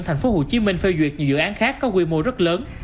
thành phố hồ chí minh phê duyệt nhiều dự án khác có quy mô rất lớn